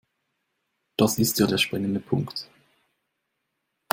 Das ist ja der springende Punkt.